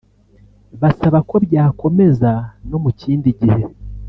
basaba ko byakomeza no mu kindi gihe